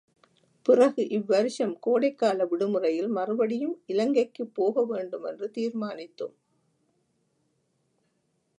பிறகு இவ்வருஷம் கோடைக்கால விடுமுறையில் மறுபடியும் இலங்கைக்குப் போகவேண்டுமென்று தீர்மானித்தோம்.